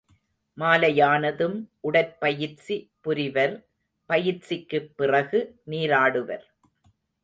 மாலையானதும் உடற்பயிற்சி புரிவர் பயிற்சிக்குப் பிறகு நீராடுவர்.